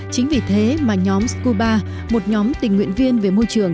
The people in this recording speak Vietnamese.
chính vì thế mà nhóm skoba một nhóm tình nguyện viên về môi trường